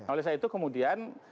oleh itu kemudian